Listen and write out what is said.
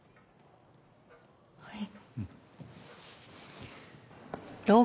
はい。